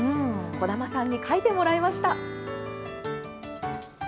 小玉さんに描いてもらいました。